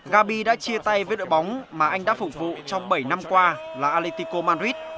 gabi đã chia tay với đội bóng mà anh đã phục vụ trong bảy năm qua là alitico madrid